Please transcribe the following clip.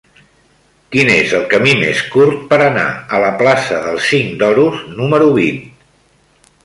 Quin és el camí més curt per anar a la plaça del Cinc d'Oros número vint?